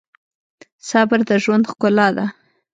صبر د ژوند ښکلا ده.